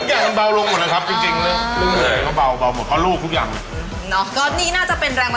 อย่างนั้นเบาลงหมดเลยครับจริง